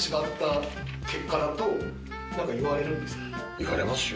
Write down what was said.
言われますよ。